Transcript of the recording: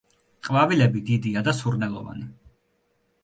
ყვავილები დიდია და სურნელოვანი.